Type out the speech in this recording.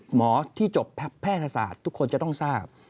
หมอที่จบแพทยศาสตร์ทุกคนจะต้องทราบ